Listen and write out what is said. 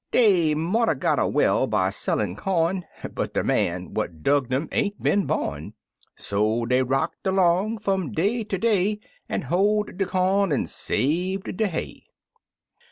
Dey mought 'a' got a well by sellin' com. But de man what dugged um ain't been bom; So dey rocked along fum day ter day, An' hoed der com an' saved der hay.